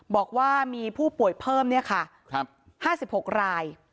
บอกว่ามีผู้ป่วยเพิ่ม๕๖ราย